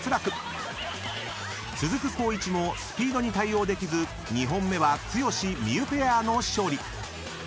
［続く光一もスピードに対応できず２本目は剛・望結ペアの勝利］